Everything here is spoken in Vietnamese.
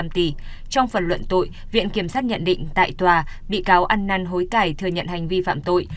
trong phần luận tội viện kiểm sát nhận định tại tòa bị cáo ăn năn hối cải thừa nhận hành vi phạm tội